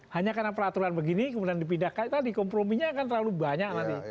hanya karena peraturan begini kemudian dipindahkan tadi komprominya akan terlalu banyak nanti